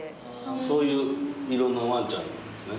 そういう色のワンちゃんなんですね。